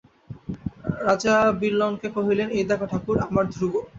রাজা বিল্বনকে কহিলেন, এই দেখো ঠাকুর, আমার ধ্রুব।